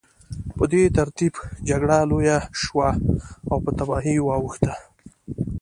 په دې ترتیب جګړه لویه شوه او په تباهۍ واوښته